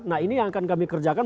nah ini yang akan kami kerjakan